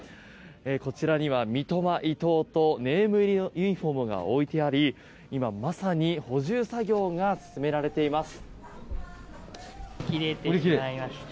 こちらには三笘、伊東とネーム入りのユニホームが置いてあり今、まさに補充作業が進められています。